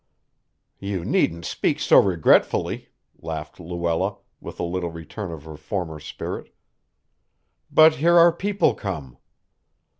"You needn't speak so regretfully," laughed Luella, with a little return of her former spirit. "But here our people come."